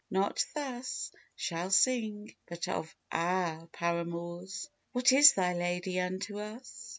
Not thus Shalt sing, but of our paramours! What is thy Lady unto us!"